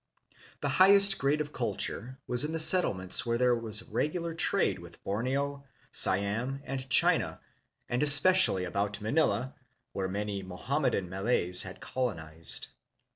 The liighest grade of culture was in the settlements where there was regular trade with Borneo, Siam, and China, and especially about Manila, where many Moham medan Malays had colonized.